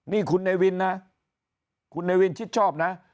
นี่คุณเนวินนะคุณเนวินชิดชอบนะ